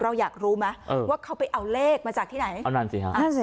เราอยากรู้มั้ยว่าเขาไปเอาเลขมาจากที่ไหนเอานานสิครับเอานานสิ